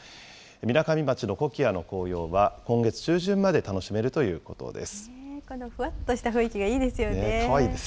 みなかみ町のコキアの紅葉は、今月中旬まで楽しめるということです。